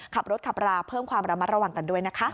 ขับรถขับราเพิ่มความระมัดระวังกันด้วยนะคะ